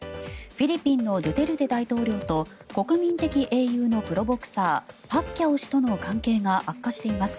フィリピンのドゥテルテ大統領と国民的英雄のプロボクサーパッキャオ氏との関係が悪化しています。